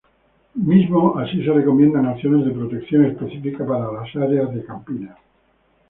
Mismo así se recomiendan acciones de protección específicas para las áreas de "campina".